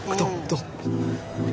どう？